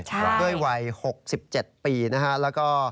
ด้วยวัย๖๗ปีนะฮะแล้วก็